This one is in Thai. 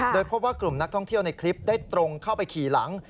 โดยพบว่ากลุ่มนักท่องเที่ยวในคลิปได้ตรงเข้าไปขี่หลัง